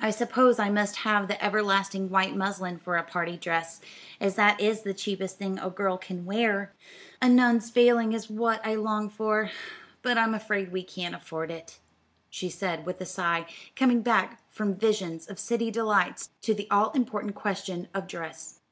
"I suppose I must have the everlasting white muslin for a party dress, as that is the cheapest thing a girl can wear. A nun's veiling is what I long for, but I'm afraid we can't afford it," she said with a sigh, coming back from visions of city delights to the all important question of dress.